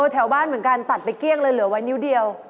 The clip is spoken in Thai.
แถวบ้านเหมือนกันตัดไปเกลี้ยงเลยเหลือไว้นิ้วเดียว